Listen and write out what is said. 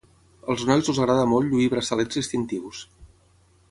Als nois els agrada molt lluir braçalets distintius.